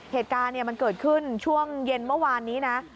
เหตุการณ์มันเกิดขึ้นช่วงเย็นเมื่อวานนี้นะ